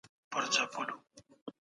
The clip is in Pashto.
طبيعي منابع زموږ د هېواد ستره پانګه ده.